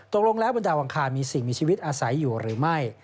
ตกลงแล้วบนดาวอังคารมีสิ่งมีชีวิตอาศัยอยู่หรือไม่